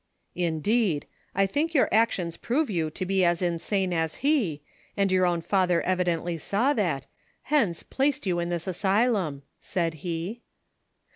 "• Indeed ! I think your actions prove you to be as insane as he, and your own father evidently saw that, hence, placed you in this asylum," said he.